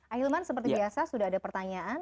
ahilman seperti biasa sudah ada pertanyaan